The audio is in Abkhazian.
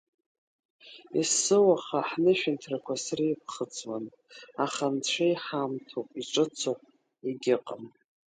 Есыуаха ҳнышәынҭрақәа среиԥхыӡуан, аха Анцәа иҳамҭоуп, иҿыцу егьыҟам!